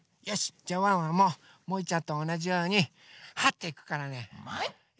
じゃあワンワンももいちゃんとおなじようにはっていくからね。もい！